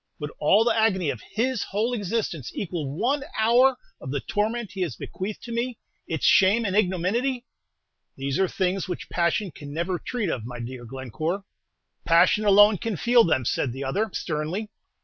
Would all the agony of his whole existence equal one hour of the torment he has bequeathed to me, its shame and ignominy?" "These are things which passion can never treat of, my dear Glencore." "Passion alone can feel them," said the other, sternly.